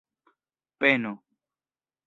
peno